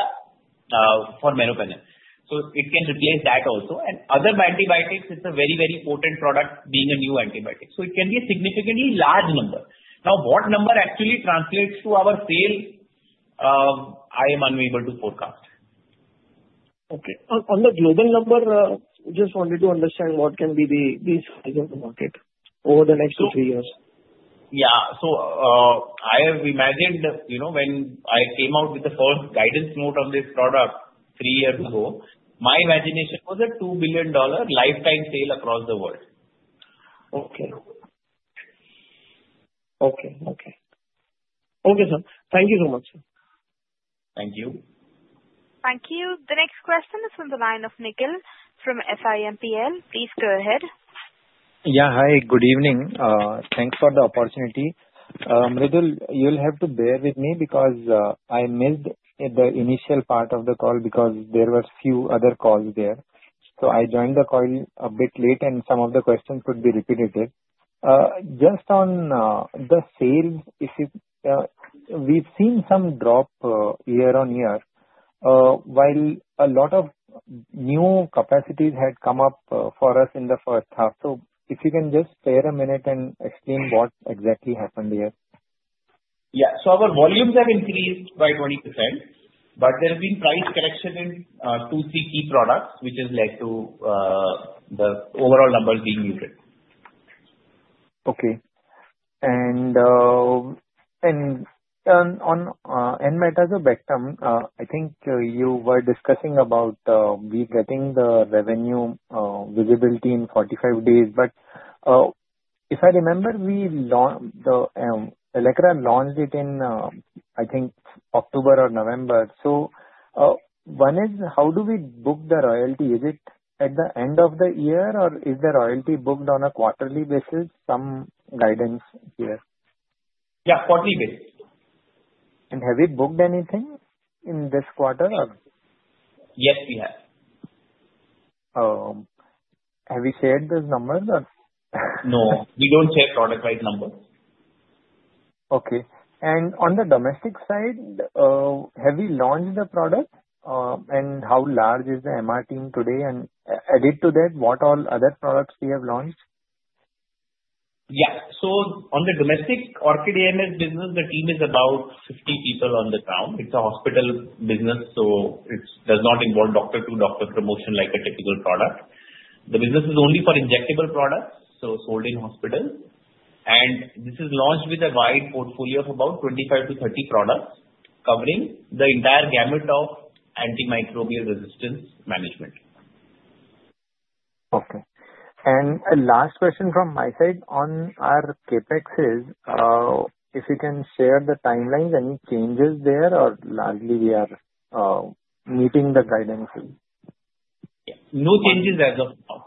Speaker 3: for meropenem. So it can replace that also. And other antibiotics, it's a very, very potent product being a new antibiotic. So it can be a significantly large number. Now, what number actually translates to our sales, I am unable to forecast.
Speaker 13: Okay. On the global number, just wanted to understand what can be the size of the market over the next two to three years?
Speaker 3: Yeah. So I have imagined when I came out with the first guidance note on this product three years ago, my imagination was a $2 billion lifetime sale across the world.
Speaker 13: Okay, sir. Thank you so much, sir.
Speaker 3: Thank you.
Speaker 1: Thank you. The next question is from the line of Nikhil from SIMPL. Please go ahead.
Speaker 14: Yeah. Hi. Good evening. Thanks for the opportunity. Mridul, you'll have to bear with me because I missed the initial part of the call because there were a few other calls there. So I joined the call a bit late, and some of the questions could be repetitive. Just on the sales, we've seen some drop year on year while a lot of new capacities had come up for us in the first half. So if you can just spare a minute and explain what exactly happened here.
Speaker 3: Yeah. So our volumes have increased by 20%, but there has been price correction in two, three key products, which has led to the overall numbers being muted.
Speaker 14: Okay. And on enmetazobactam, I think you were discussing about we're getting the revenue visibility in 45 days. But if I remember, Electra launched it in, I think, October or November. So one is how do we book the royalty? Is it at the end of the year, or is the royalty booked on a quarterly basis? Some guidance here.
Speaker 3: Yeah. Quarterly basis.
Speaker 14: Have you booked anything in this quarter?
Speaker 3: Yes, we have.
Speaker 14: Have you shared those numbers or?
Speaker 3: No. We don't share product-wise numbers.
Speaker 14: Okay. And on the domestic side, have you launched the product? And how large is the MR team today? And added to that, what all other products we have launched?
Speaker 3: Yeah. So on the domestic Orchid AMS business, the team is about 50 people on the ground. It's a hospital business, so it does not involve doctor-to-doctor promotion like a typical product. The business is only for injectable products, so sold in hospitals. And this is launched with a wide portfolio of about 25-30 products covering the entire gamut of antimicrobial resistance management.
Speaker 14: Okay. And last question from my side on our CapEx is if you can share the timelines, any changes there, or largely we are meeting the guidance?
Speaker 3: Yeah. No changes as of now.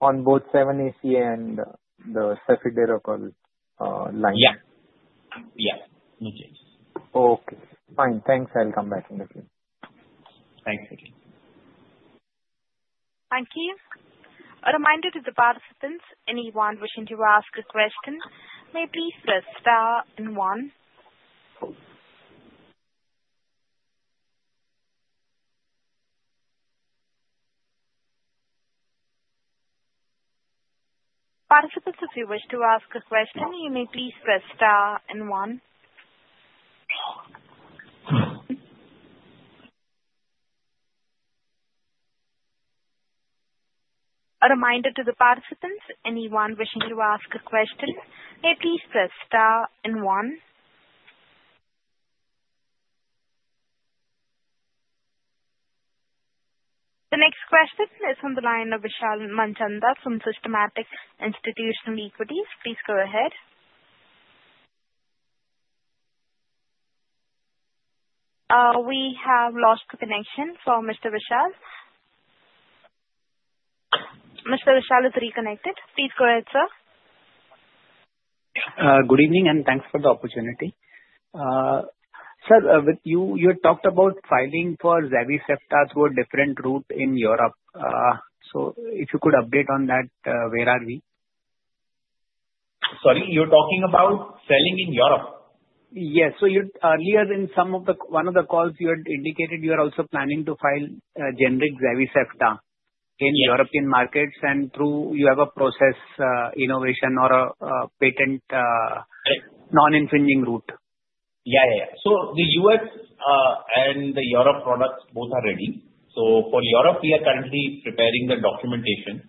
Speaker 14: On both 7-ACA and the cefiderocol line?
Speaker 3: Yeah. Yeah. No changes.
Speaker 14: Okay. Fine. Thanks. I'll come back in a few.
Speaker 3: Thanks. Thank you.
Speaker 1: Thank you. A reminder to the participants, anyone wishing to ask a question, may please press star and one. Participants, if you wish to ask a question, you may please press star and one. A reminder to the participants, anyone wishing to ask a question, may please press star and one. The next question is from the line of Vishal Manchanda from Systematix Institutional Equities. Please go ahead. We have lost the connection for Mr. Vishal. Mr. Vishal is reconnected. Please go ahead, sir.
Speaker 2: Good evening, and thanks for the opportunity. Sir, you had talked about filing for Zavicefta through a different route in Europe. So if you could update on that, where are we?
Speaker 3: Sorry? You're talking about selling in Europe?
Speaker 2: Yes. Earlier in one of the calls, you had indicated you are also planning to file generic Zavicefta in European markets and you have a process innovation or a patent non-infringing route.
Speaker 3: So the U.S. and the Europe products both are ready. So for Europe, we are currently preparing the documentation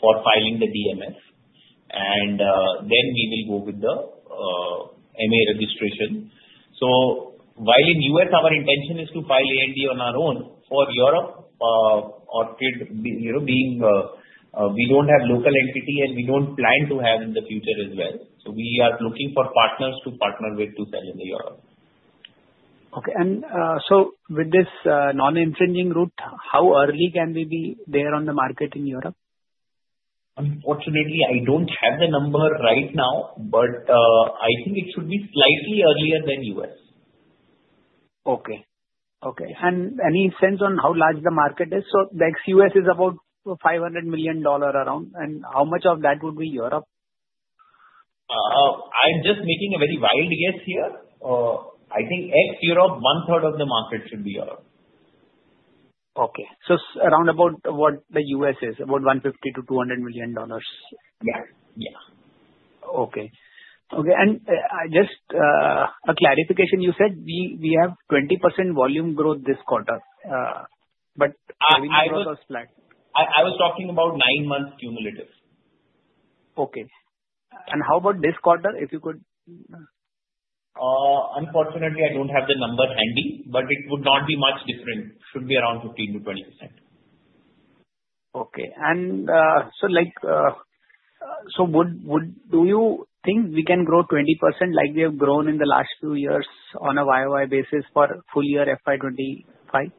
Speaker 3: for filing the DMF, and then we will go with the MA registration. So while in U.S., our intention is to file ANDA on our own. For Europe, Orchid being we don't have local entity, and we don't plan to have in the future as well. So we are looking for partners to partner with to sell in Europe.
Speaker 2: Okay. And so with this non-infringing route, how early can we be there on the market in Europe?
Speaker 3: Unfortunately, I don't have the number right now, but I think it should be slightly earlier than US.
Speaker 2: Okay. Okay. And any sense on how large the market is? So the ex-US is about $500 million around. And how much of that would be Europe?
Speaker 3: I'm just making a very wild guess here. I think ex-Europe, one-third of the market should be Europe.
Speaker 2: Okay. Around about what the US is, about $150-$200 million?
Speaker 3: Yeah. Yeah.
Speaker 2: Okay. Just a clarification, you said we have 20% volume growth this quarter, but have you brought us flat.
Speaker 3: I was talking about nine months cumulative.
Speaker 2: Okay. And how about this quarter, if you could?
Speaker 3: Unfortunately, I don't have the numbers handy, but it would not be much different. Should be around 15%-20%.
Speaker 2: Okay. And so do you think we can grow 20% like we have grown in the last few years on a YOY basis for full year FY25?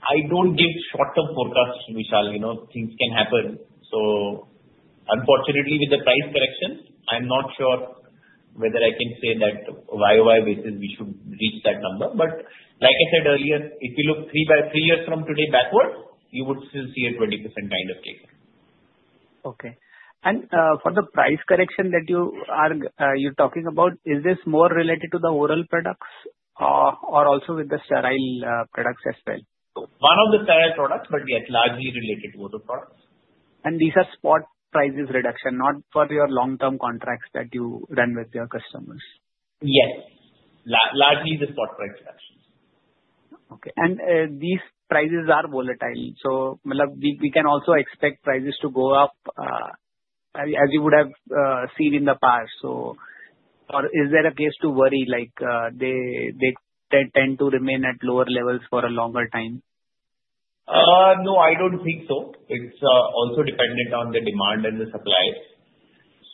Speaker 3: I don't give short-term forecasts, Vishal. Things can happen. So unfortunately, with the price correction, I'm not sure whether I can say that YOY basis we should reach that number. But like I said earlier, if you look three years from today backward, you would still see a 20% kind of take-up.
Speaker 2: Okay, and for the price correction that you're talking about, is this more related to the oral products or also with the sterile products as well?
Speaker 3: One of the sterile products, but yes, largely related to other products.
Speaker 2: These are spot prices reduction, not for your long-term contracts that you run with your customers?
Speaker 3: Yes. Largely the spot price reductions.
Speaker 2: Okay. And these prices are volatile. So we can also expect prices to go up as you would have seen in the past. Or is there a case to worry? They tend to remain at lower levels for a longer time?
Speaker 3: No, I don't think so. It's also dependent on the demand and the supply.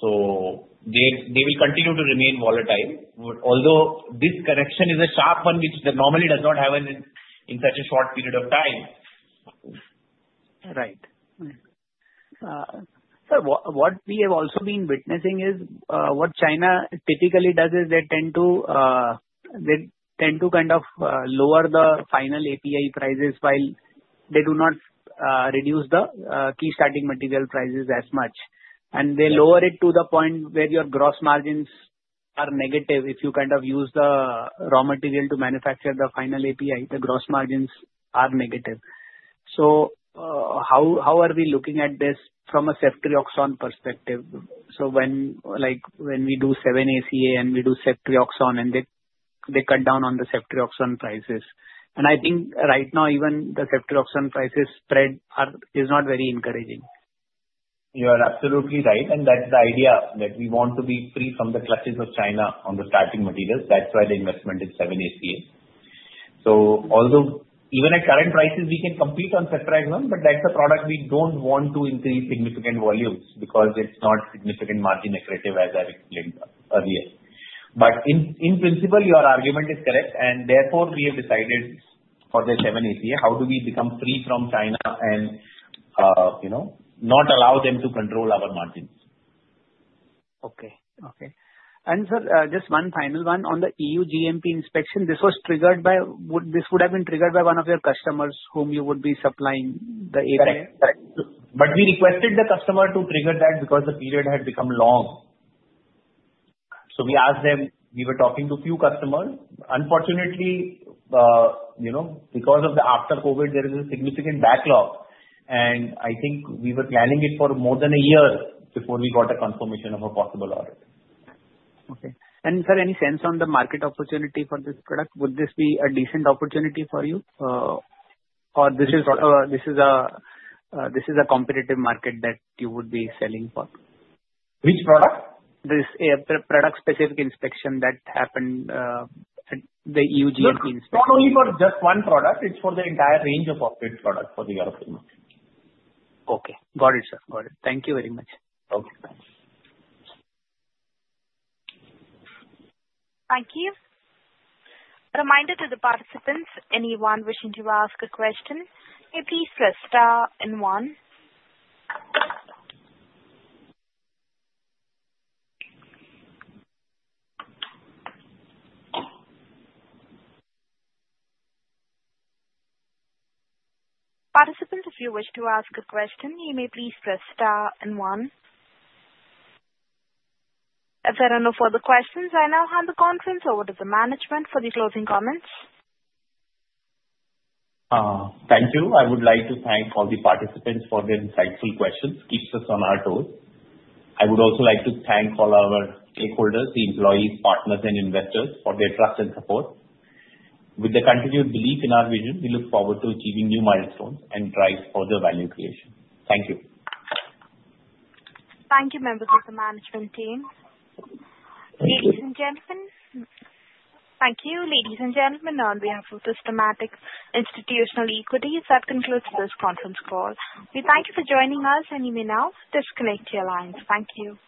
Speaker 3: So they will continue to remain volatile. Although this correction is a sharp one, which normally does not happen in such a short period of time.
Speaker 2: Right. So what we have also been witnessing is what China typically does is they tend to kind of lower the final API prices while they do not reduce the key starting material prices as much. And they lower it to the point where your gross margins are negative if you kind of use the raw material to manufacture the final API. The gross margins are negative. So how are we looking at this from a ceftriaxone perspective? So when we do 7-ACA and we do ceftriaxone and they cut down on the ceftriaxone prices. And I think right now, even the ceftriaxone prices spread is not very encouraging.
Speaker 3: You are absolutely right. And that's the idea that we want to be free from the clutches of China on the starting materials. That's why the investment is 7-ACA. So even at current prices, we can compete on ceftriaxone, but that's a product we don't want to increase significant volumes because it's not significant margin accretive as I've explained earlier. But in principle, your argument is correct. And therefore, we have decided for the 7-ACA, how do we become free from China and not allow them to control our margins?
Speaker 2: Okay. Okay. And, sir, just one final one on the EU GMP inspection. This was triggered by one of your customers whom you would be supplying the API?
Speaker 3: Correct. Correct. But we requested the customer to trigger that because the period had become long. So we asked them. We were talking to a few customers. Unfortunately, because of the after-COVID, there is a significant backlog. And I think we were planning it for more than a year before we got a confirmation of a possible order.
Speaker 2: Okay. And sir, any sense on the market opportunity for this product? Would this be a decent opportunity for you, or this is a competitive market that you would be selling for?
Speaker 3: Which product?
Speaker 2: This product-specific inspection that happened at the EU GMP inspection.
Speaker 3: It's not only for just one product. It's for the entire range of Orchid products for the European market.
Speaker 2: Okay. Got it, sir. Got it. Thank you very much.
Speaker 3: Okay. Thanks.
Speaker 1: Thank you. A reminder to the participants, anyone wishing to ask a question, may please press star and one. Participants, if you wish to ask a question, you may please press star and one. If there are no further questions, I now hand the conference over to the management for the closing comments.
Speaker 3: Thank you. I would like to thank all the participants for their insightful questions. Keeps us on our toes. I would also like to thank all our stakeholders, the employees, partners, and investors for their trust and support. With the continued belief in our vision, we look forward to achieving new milestones and drive further value creation. Thank you.
Speaker 1: Thank you, members of the management team. Ladies and gentlemen, thank you. Ladies and gentlemen, on behalf of Systematix Institutional Equities, that concludes this conference call. We thank you for joining us, and you may now disconnect your lines. Thank you.